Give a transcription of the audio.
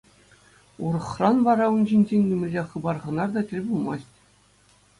Урӑхран вара ун ҫинчен нимӗнле хыпар-хӑнар та тӗл пулмасть.